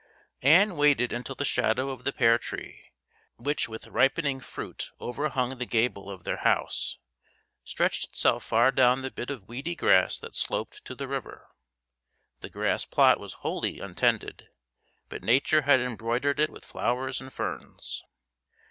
Ann waited until the shadow of the pear tree, which with ripening fruit overhung the gable of their house, stretched itself far down the bit of weedy grass that sloped to the river. The grass plot was wholly untended, but nature had embroidered it with flowers and ferns.